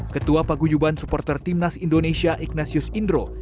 ketua paguyuban supporter timnas indonesia ignatius indro